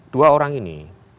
dua orang ini